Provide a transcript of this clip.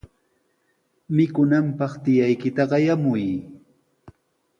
Mikunanpaq tiyaykita qayamuy.